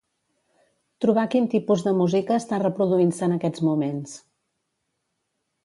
Trobar quin tipus de música està reproduint-se en aquests moments.